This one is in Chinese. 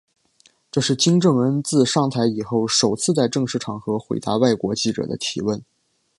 这是金正恩自上台以后首次在正式场合回答外国记者的提问。